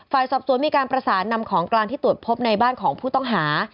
ฝ่ายสอบสวนมีการประสานนำของกลางที่ตรวจพบในบ้านของผู้ต้องหา